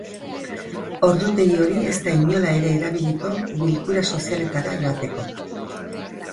Ordutegi hori ez da inola ere erabiliko bilkura sozialetara joateko.